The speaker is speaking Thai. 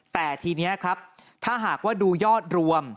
แต่ทีนี้ครับถ้าหากว่าดูยอดรวม